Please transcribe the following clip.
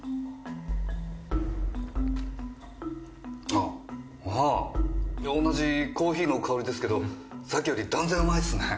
あっああ同じコーヒーの香りですけどさっきより断然うまいっすね。